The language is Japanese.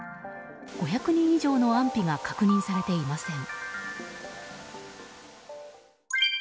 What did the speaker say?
５００人以上の安否が確認されていません。